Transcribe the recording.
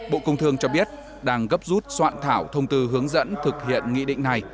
bộ công thương cho biết đang gấp rút soạn thảo thông tư hướng dẫn thực hiện nghị định này